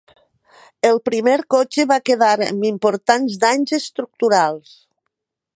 El primer cotxe va quedar amb importants danys estructurals.